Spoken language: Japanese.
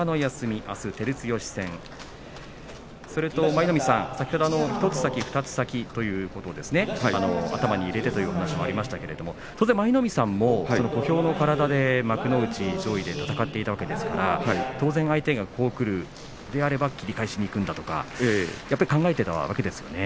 舞の海さん、先ほど１つ先２つ先ということを頭に入れてというお話もありましたけれども当然、舞の海さんも小兵の体で幕内上位で戦っていたわけですから当然、相手がこうくるのであれば切り返していくんだとかやっぱり考えていたわけですね。